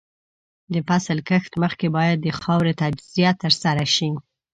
د فصل کښت مخکې باید د خاورې تجزیه ترسره شي.